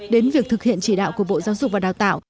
đến việc thực hiện chỉ đạo của bộ giáo dục và đào tạo